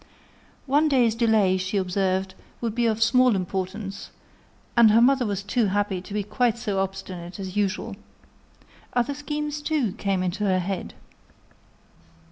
One day's delay, she observed, would be of small importance; and her mother was too happy to be quite so obstinate as usual. Other schemes, too, came into her head.